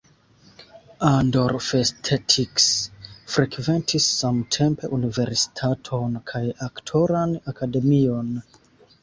Andor Festetics frekventis samtempe universitaton kaj aktoran akademion.